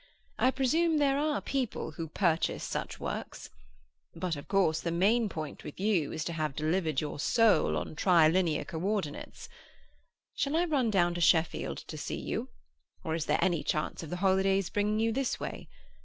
I presume there are people who purchase such works. But of course the main point with you is to have delivered your soul on Trilinear Co ordinates. Shall I run down to Sheffield to see you, or is there any chance of the holidays bringing you this way?